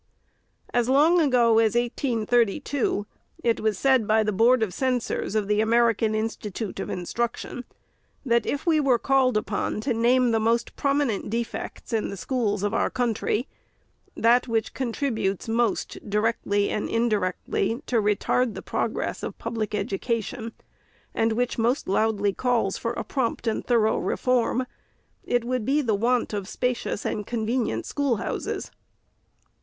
As long ago as 1832, it was said by the Board of Cen sors of the American Institute of Instruction, that " if we were called upon to name the most prominent defects in the schools of our country, — that which contributes most, directly and indirectly, to retard the progress of public education, and which most loudly calls for a prompt and thorough reform, — it would be the want of spacious and convenient schoolhouses."